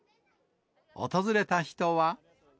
訪れた人は。